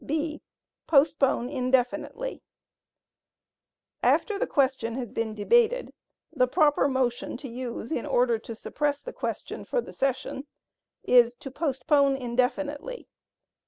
(b) Postpone indefinitely. After the question has been debated, the proper motion to use in order to suppress the question for the session, is to postpone indefinitely.